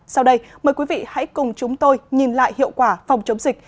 sau đây mời quý vị hãy cùng chúng tôi nhìn lại hiệu quả phòng chống dịch